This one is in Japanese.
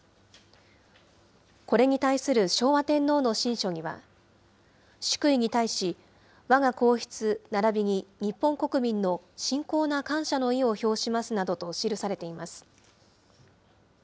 これに対する昭和天皇の親書には、祝意に対し、わが皇室ならびに日本国民の深厚な感謝の意を表しますなどと記されています。